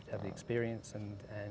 kita harus memiliki pengalaman